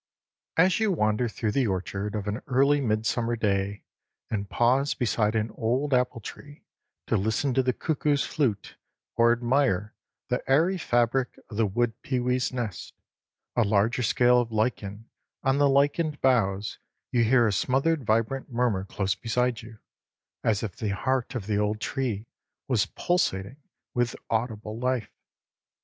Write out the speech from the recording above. As you wander through the orchard of an early midsummer day and pause beside an old apple tree to listen to the cuckoo's flute or admire the airy fabric of the wood pewee's nest, a larger scale of lichen on the lichened boughs, you hear a smothered vibrant murmur close beside you, as if the heart of the old tree was pulsating with audible life.